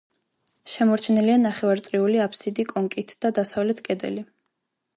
შემორჩენილია ნახევარწრიული აფსიდი კონქით და დასავლეთ კედელი.